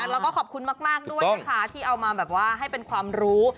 แล้วก็ขอบคุณมากด้วยนะคะที่เอามาแบบว่าให้เป็นความรู้